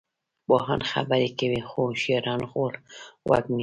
پوهان خبرې کوي خو هوښیاران غوږ نیسي.